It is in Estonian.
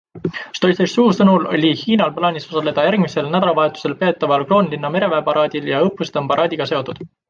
Stoicescu sõnul oli Hiinal plaanis osaleda järgmisel nädalavahetusel peetaval Kroonlinna mereväeparaadil ja õppused on paraadiga seotud.